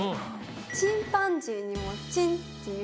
「チンパンジー」にも「チン」っていう。